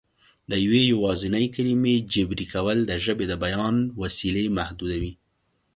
د یوې یوازینۍ کلمې جبري کول د ژبې د بیان وسیلې محدودوي